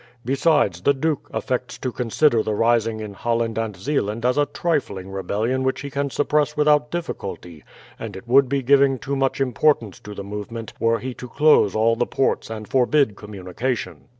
Besides, the duke affects to consider the rising in Holland and Zeeland as a trifling rebellion which he can suppress without difficulty, and it would be giving too much importance to the movement were he to close all the ports and forbid communication."